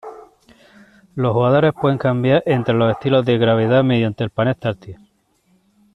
Los jugadores pueden cambiar entre los estilos de gravedad mediante el panel táctil.